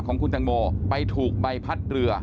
ของคุณตังโมไปถูกใบพัดเรือ